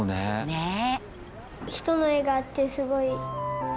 ねえ。